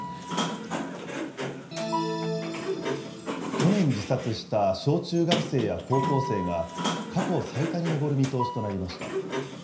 去年自殺した小中学生や高校生が、過去最多に上る見通しとなりました。